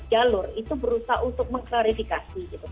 jalur itu berusaha untuk mengklarifikasi gitu